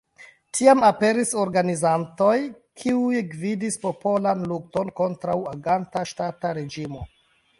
Tiam aperis organizantoj kiuj gvidis popolan lukton kontraŭ aganta ŝtata reĝimo.